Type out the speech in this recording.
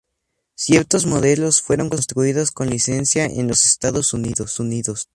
Ciertos modelos fueron construidos con licencia en los Estados Unidos.